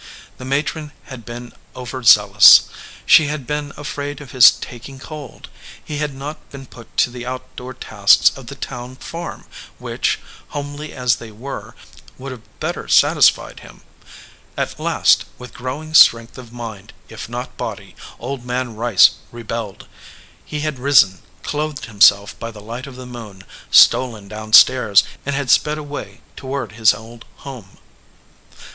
The matron had been over zealous. She had been afraid of his taking cold. He had not been put to the outdoor tasks of the town farm, which, homely as they were, would have better sat isfied him. At last, with growing strength of mind, if not of body, Old Man Rice rebelled. He had risen, clothed himself by the light of the moon, stolen down stairs, and had sped away toward his old home.